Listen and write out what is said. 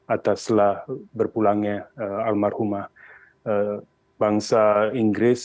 ataslah berpulangnya almarhumah bangsa inggris